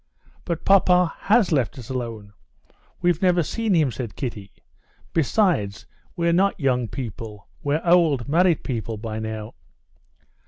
"But papa has left us alone. We've never seen him," said Kitty. "Besides, we're not young people!—we're old, married people by now."